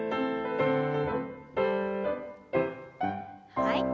はい。